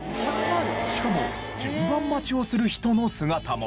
しかも順番待ちをする人の姿も。